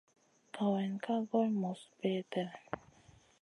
Kawayna ka goy muzi peldet.